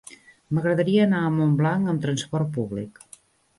M'agradaria anar a Montblanc amb trasport públic.